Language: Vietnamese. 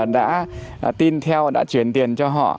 đã tin theo đã chuyển tiền cho họ